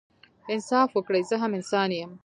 انصاف وکړئ زه هم انسان يم